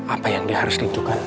apa yang dia harus ditukan